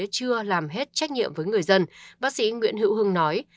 chưa làm hết trách nhiệm với người dân bác sĩ nguyễn hữu hưng nói